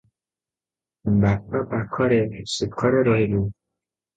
ବାପା ପାଖରେ ସୁଖରେ ରହିବୁ ।"